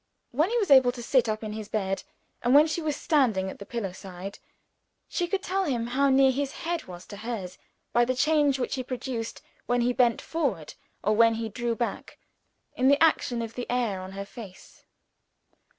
When he was able to sit up in his bed, and when she was standing at the pillow side, she could tell him how near his head was to hers, by the change which he produced, when he bent forward or when he drew back, in the action of the air on her face.